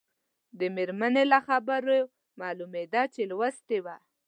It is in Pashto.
د مېرمنې له خبرو معلومېده چې لوستې وه.